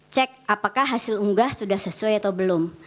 cek apakah hasil unggah sudah sesuai atau belum